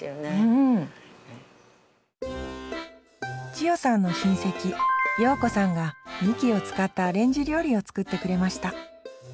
千代さんの親戚葉子さんがみきを使ったアレンジ料理を作ってくれました。